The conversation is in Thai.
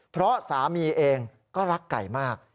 เพราะสามีเองก็รักไก่มาก